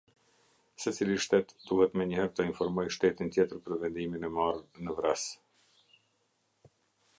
Secili Shtet duhet menjëherë të informojë Shtetin tjetër për vendimin e marrë në vras.